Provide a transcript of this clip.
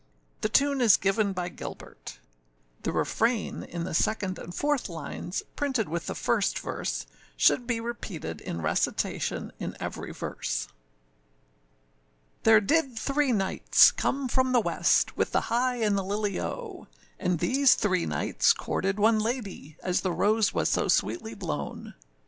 The tune is given by Gilbert. The refrain, in the second and fourth lines, printed with the first verse, should be repeated in recitation in every verse.] THERE did three Knights come from the west, With the high and the lily oh! And these three Knights courted one ladye, As the rose was so sweetly blown.